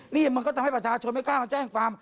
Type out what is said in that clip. นี่มันก็ทำให้ประชาชนไม่กล้ามาแจ้งความ